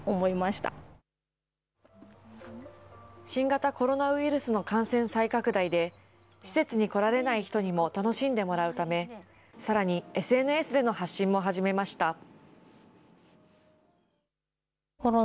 新型コロナウイルスの感染再拡大で、施設に来られない人にも楽しんでもらうため、さらにＳＮＳでの発信も始めました。